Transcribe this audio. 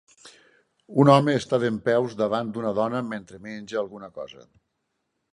Un home està dempeus davant d'una dona mentre menja alguna cosa.